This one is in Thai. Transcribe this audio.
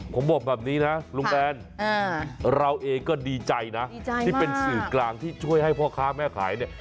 ผมบอกแบบนี้นะลุงแบนเราเองก็ดีใจนะดีใจที่เป็นสื่อกลางที่ช่วยให้พ่อค้าแม่ขายเนี่ย